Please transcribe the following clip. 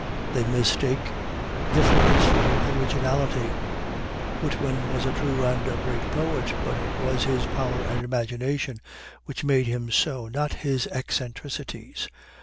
They mistake difference for originality. Whitman was a true and a great poet, but it was his power and imagination which made him so, not his eccentricities.